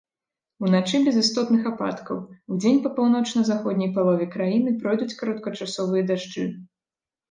Уначы без істотных ападкаў, удзень па паўночна-заходняй палове краіны пройдуць кароткачасовыя дажджы.